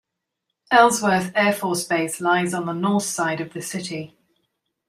Ellsworth Air Force Base lies on the north side of the city.